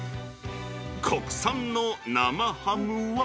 国産の生ハムは。